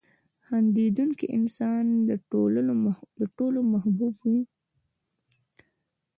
• خندېدونکی انسان د ټولو محبوب وي.